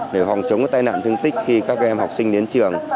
để phòng chống tai nạn thương tích khi các em học sinh đến trường